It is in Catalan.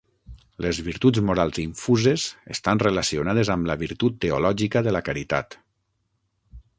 Les virtuts morals infuses estan relacionades amb la virtut teològica de la Caritat.